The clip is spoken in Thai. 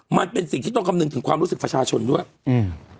มันเป็นสิ่งที่ต้องคำนึงถึงความรู้สึกประชาชนด้วยอืม